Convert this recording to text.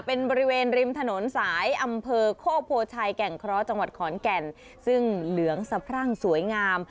เป็นบริเวณริมถนนสายอำเภอโคกโพชัยแก่งเคราะห์จังหวัดขอนแก่นซึ่งเหลืองสะพรั่งสวยงาม